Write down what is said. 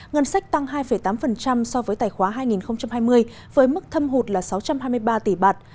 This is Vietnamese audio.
ngân sách tăng hai tám so với tài khoá hai nghìn hai mươi với mức thâm hụt là sáu trăm hai mươi ba tỷ bạt